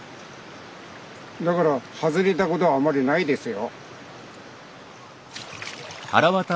だから外れたことはあまりないですよ。